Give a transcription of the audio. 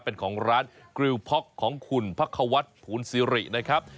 เป็นของร้านกริวพ็อกของคุณพักควัฒน์ภูลซิรินะครับ